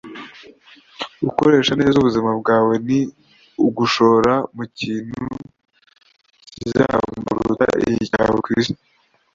Gukoresha neza ubuzima bwawe ni ugushora mu kintu kizaramba kuruta igihe cyawe ku isi. ”